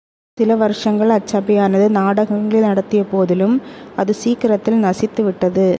சில வருஷங்கள் அச் சபையானது நாடகங்களை நடத்திய போதிலும் அது சீக்கிரத்தில் நசித்து விட்டது.